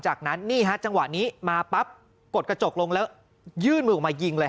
จากนั้นนี่ฮะจังหวะนี้มาปั๊บกดกระจกลงแล้วยื่นมือออกมายิงเลย